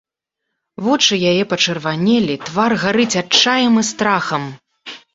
Вочы яе пачырванелі, твар гарыць адчаем і страхам.